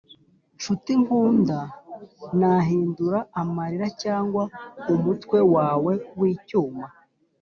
nshuti nkunda nahindura amarira cyangwa umutwe wawe wicyuma.